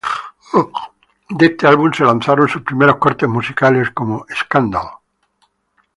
De este álbum, se lanzaron su primeros cortes musicales como 'Scandal'.